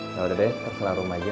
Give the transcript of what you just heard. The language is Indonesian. yaudah deh kita ke rumah aja